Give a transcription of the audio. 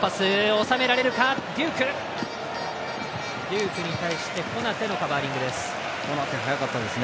デュークに対してコナテのカバーリングです。